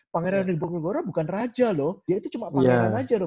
pangeran republik bukan raja loh dia itu cuma pangeran aja dong